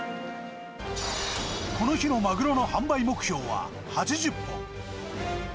この日のマグロの販売目標は８０本。